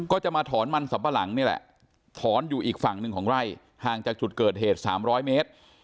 ก็จะมาถอนมันสัมปะหลังนี่แหละถอนอยู่อีกฝั่งหนึ่งของไร่ห่างจากจุดเกิดเหตุ๓๐๐เมตร